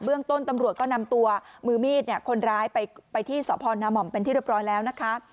ต้นตำรวจก็นำตัวมือมีดคนร้ายไปที่สพนมเป็นที่เรียบร้อยแล้วนะคะ